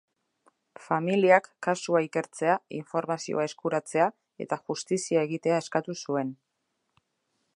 Familiak kasua ikertzea, informazioa eskuratzea eta justizia egitea eskatu zuen.